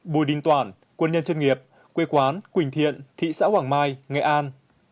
một mươi một bùi đinh toản quân nhân chuyên nghiệp quê quán quỳnh thiện thị xã quảng mai nghệ an